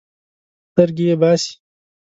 سترګې یې باسي.